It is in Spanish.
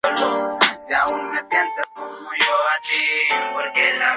Efectúa vuelos regulares locales de pasajeros.